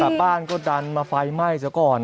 ป๊อบบ้านก็ดันไฟไม่เสียก่อนนะคะ